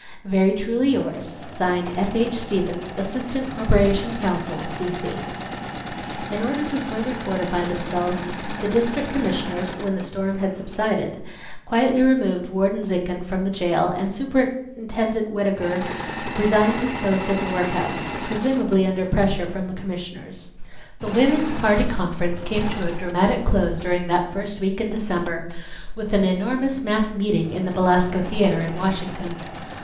Very truly yours, (Signed) F. H. STEVENS, Assistant Corporation Counsel, D. C. In order to further fortify themselves, the District Commissioners, when the storm had subsided, quietly removed Warden Zinkhan from the jail and Superintendent Whittaker resigned his post at the workhouse, presumably under pressure from the Commissioners. The Woman's Party conference came to a dramatic close during that first week in December with an enormous mass meeting in the Belasco Theatre in Washington.